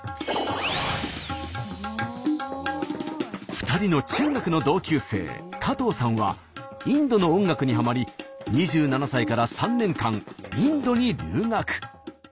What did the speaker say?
２人の中学の同級生加藤さんはインドの音楽にはまり２７歳から３年間インドに留学。